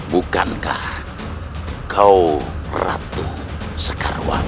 bukankah kau ratu sekarwang